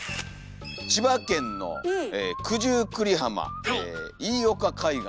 千葉県の九十九里浜飯岡海岸。